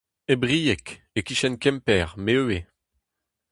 E Brieg, e-kichen Kemper me ivez.